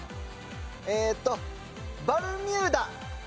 えーっとバルミューダ。